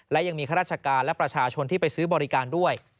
และยังมีข้าราชการและประชาชนที่ไปซื้อบริการด้วย